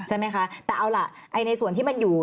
ใช่ไหมคะแต่เอาล่ะในส่วนที่มันอยู่